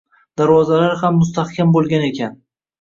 Darvozalari ham mustahkam bo'lgan ekan